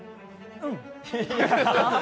うん。